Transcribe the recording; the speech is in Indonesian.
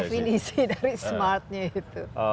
definisi dari smartnya itu